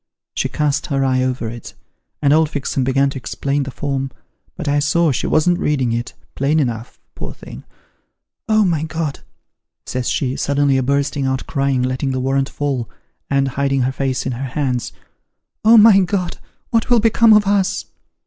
She cast her eye over it, and old Fixem began to explain the form, but I saw she wasn't reading it, plain enough, poor thing. ' Oh, my God !' says she, suddenly a bursting out crying, letting the warrant fall, and hiding her face in her hands. ' Oh, my God ! what will become ot us